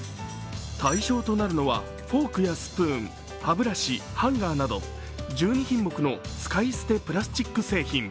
対象となるのはフォークやスプーン、歯ブラシ、ハンガーなど１２品目の使い捨てプラスチック製品。